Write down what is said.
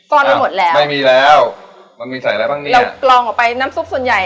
ไปหมดแล้วไม่มีแล้วมันมีใส่อะไรบ้างเนี้ยเรากลองออกไปน้ำซุปส่วนใหญ่